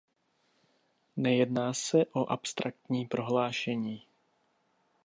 Nejedná se o abstraktní prohlášení.